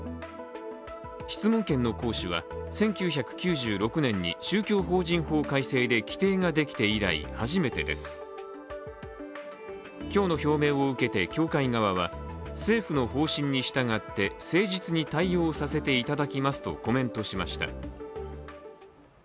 質問権の行使は１９９６年に宗教法人法改正で規定ができて以来初めてです今日の表明を受けて教会側は政府の方針に従って誠実に対応させていただきますとコメントしました。